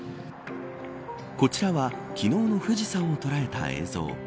こちらは昨日の富士山を捉えた映像。